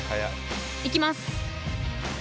行きます。